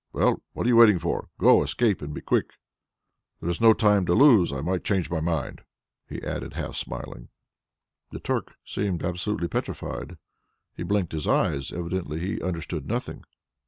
Well, what are you waiting for? Go, escape, and be quick. There is no time to lose. I might change my mind," he added, half smiling. The Turk seemed absolutely petrified. He blinked his eyes. Evidently he understood nothing.